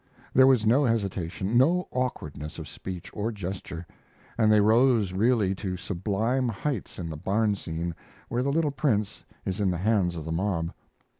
There was no hesitation, no awkwardness of speech or gesture, and they rose really to sublime heights in the barn scene where the little Prince is in the hands of the mob.